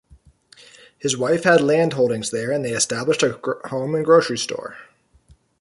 His wife had land holdings there and they established a home and grocery store.